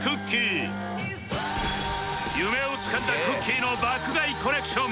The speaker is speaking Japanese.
夢をつかんだくっきー！の爆買いコレクション